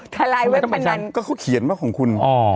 ทลายเว็บพนันก็เขาเขียนว่าของคุณอ๋อ